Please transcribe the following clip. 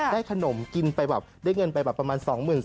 ได้ขนมกินไปแบบได้เงินไปแบบประมาณ๒๔๐๐